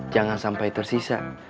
jangan sampai tersisa